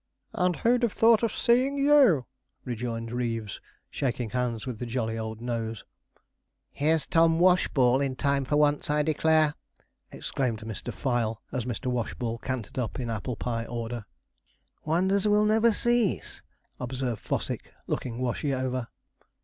'And who'd have thought of seeing you?' rejoined Reeves, shaking hands with the jolly old nose. 'Here's Tom Washball in time for once, I declare!' exclaimed Mr. Fyle, as Mr. Washball cantered up in apple pie order. 'Wonders will never cease!' observed Fossick, looking Washy over.